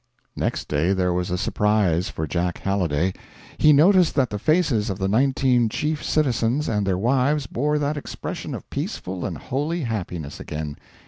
Next day there was a surprise for Jack Halliday. He noticed that the faces of the nineteen chief citizens and their wives bore that expression of peaceful and holy happiness again.